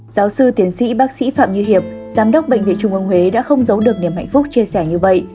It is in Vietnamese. giáo sư tiến sĩ bác sĩ phạm như hiệp giám đốc bệnh viện trung ương huế đã không giấu được niềm hạnh phúc chia sẻ như vậy